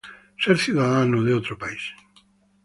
Ser ciudadano de otro país.